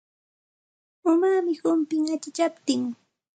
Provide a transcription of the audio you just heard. Umaami humpin achachaptin.